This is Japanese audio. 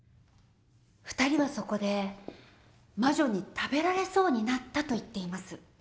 ２人はそこで魔女に食べられそうになったと言っています。